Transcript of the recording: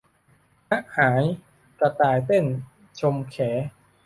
หะหายกระต่ายเต้น ชมแข